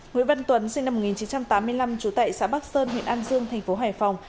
nguyễn văn tuấn sinh năm một nghìn chín trăm tám mươi năm trú tại xã bắc sơn huyện an dương thành phố hải phòng